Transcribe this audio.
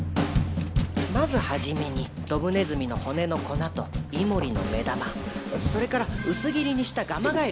まず初めにドブネズミの骨の粉とイモリの目玉それから薄切りにしたガマガエルが要るね。